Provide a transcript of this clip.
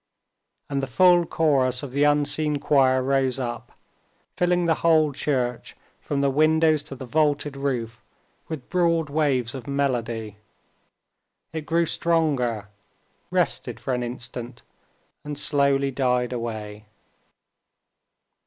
And the full chorus of the unseen choir rose up, filling the whole church, from the windows to the vaulted roof, with broad waves of melody. It grew stronger, rested for an instant, and slowly died away.